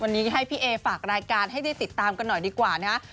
วันนี้ให้พี่เอฝากรายการให้ได้ติดตามกันหน่อยดีกว่านะฮะ